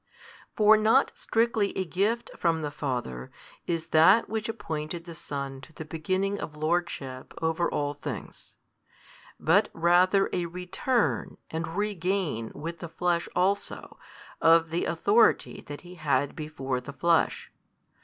For not strictly a gift from the Father is that which appointed the Son to the beginning of Lordship over all things; but rather a return and regain with the Flesh also of the authority that He had before the Flesh.